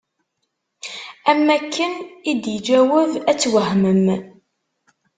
Am akken i d-iğaweb ad twehmem.